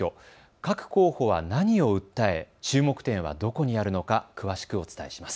各候補は何を訴え、注目点はどこにあるのか詳しくお伝えします。